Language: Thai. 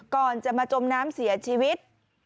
ก่อนจะมาจมน้ำเสียชีวิต